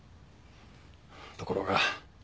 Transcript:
ところが。